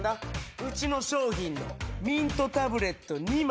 うちの商品のミントタブレット２枚。